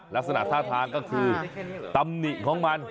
ลักษณะท่าทางก็คือตำหนิของมัน